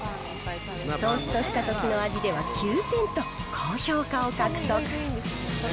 トーストしたときの味では９点と、高評価を獲得。